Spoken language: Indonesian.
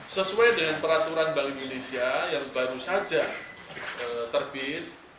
sesuai dengan peraturan bank indonesia yang baru saja terbit